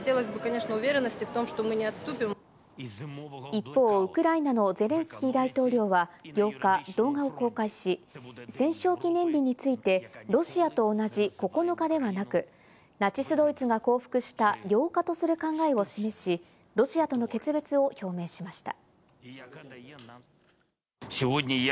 一方、ウクライナのゼレンスキー大統領は８日、動画を公開し、戦勝記念日についてロシアと同じ９日ではなく、ナチスドイツが降伏した８日とする考えを示し、ロシアとの決別を表明しました。